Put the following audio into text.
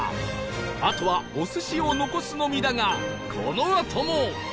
あとはお寿司を残すのみだがこのあとも